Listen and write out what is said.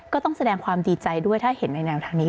ก็ต้องแสดงความดีใจด้วยถ้าเห็นในแนวทางนี้